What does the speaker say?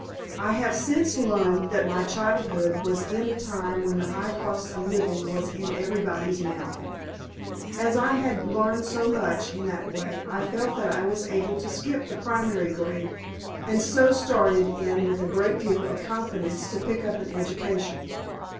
I have since learned that my childhood was in a time when the high cost of living was in everybody's mouth. As I had learned so much in that way, I felt that I was able to skip the primary grade, and so started in with a great deal of confidence to pick up an education.